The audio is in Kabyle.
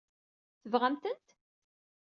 Tebɣam-tent?